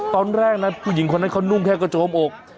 ตอนแรกนะผู้หญิงคนนั้นเขานุ่งแค่กระโจมอก